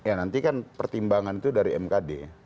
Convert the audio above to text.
ya nanti kan pertimbangan itu dari mkd